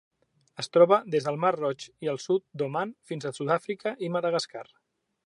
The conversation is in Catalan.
Es troba des del Mar Roig i el sud d'Oman fins a Sud-àfrica i Madagascar.